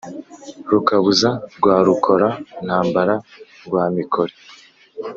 Rukabuza rwa Rukora-ntambara rwa Mikore,